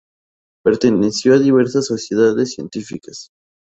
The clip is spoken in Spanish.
Perteneció a diversas sociedades científicas.